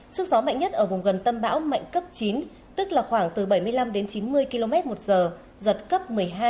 sức gió mạnh nhất ở vùng gần tâm bão mạnh cấp chín tức là khoảng từ bảy mươi năm đến chín mươi km một giờ giật cấp một mươi hai